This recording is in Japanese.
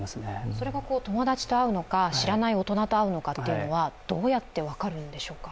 それが友達と会うのか知らない大人と会うのかというのはどうやって分かるんでしょうか？